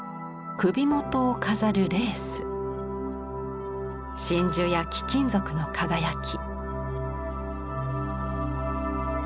首元を飾るレース真珠や貴金属の輝き。